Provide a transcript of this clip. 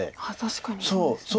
確かにそうですね。